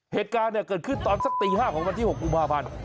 เหตุการณ์เกิดขึ้นตอนสักตี๕ของวันที่๖กุมภาพันธ์